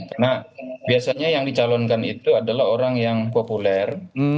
karena biasanya yang dicalonkan itu adalah orang yang populer